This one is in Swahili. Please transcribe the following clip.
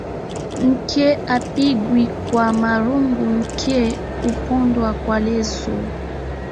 Nke hapigwi kwa marungu nke hupondwa kwa leso.